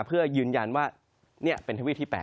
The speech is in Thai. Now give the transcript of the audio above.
เพื่อยืนยันว่านี่เป็นทวีปที่๘